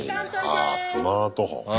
ああスマートフォン。